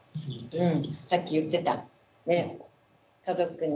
うん。